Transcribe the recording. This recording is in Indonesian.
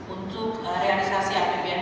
untuk realisasi apbn dua ribu tujuh belas